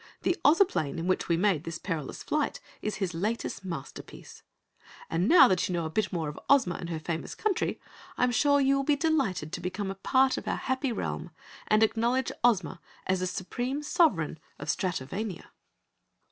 The Ozoplane in which we made this perilous flight is his latest masterpiece. And now that you know a bit more of Ozma and her famous country, I am sure you will be delighted to become a part of our happy realm and acknowledge Ozma as the Supreme Sovereign of Stratovania."